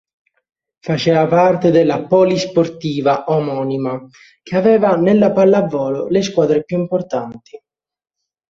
Faceva parte della polisportiva omonima, che aveva nella pallavolo le squadre più importanti.